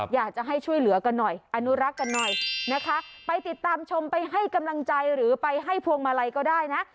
อยากจะให้ช่วยเหลือกันหน่อยอนุรักษ์กันหน่อยนะคะไปติดตามชมไปให้กำลังใจหรือไปให้พวงมาลัยก็ได้นะ